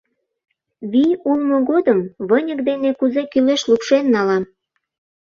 — Вий улмо годым выньык дене кузе кӱлеш лупшен налам.